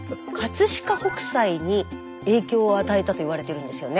飾北斎に影響を与えたといわれてるんですよね。